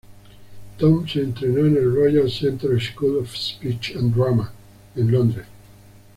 Tom se entrenó en el "Royal Central School of Speech and Drama" en Londres.